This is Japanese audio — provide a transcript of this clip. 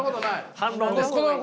反論ですか。